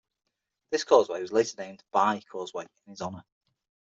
This causeway was later named "Bai Causeway", in his honor.